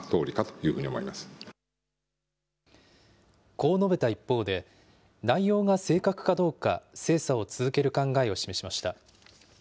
こう述べた一方で、内容が正確かどうか精査を続ける考えを示しました。